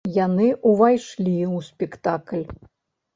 Яны ўвайшлі ў спектакль.